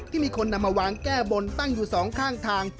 มีคนนำมาวางแก้บนตั้งอยู่สองข้างทาง